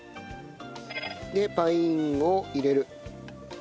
でパインを入れる。